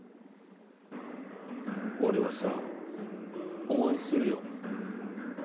俺はさ応援するよ。